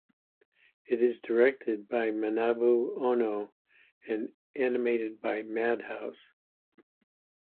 It is directed by Manabu Ono and animated by Madhouse.